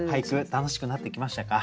楽しくなってきましたか？